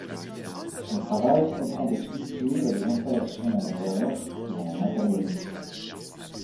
Son travail comprend des sculptures et des installations en verre et en matériaux mixtes.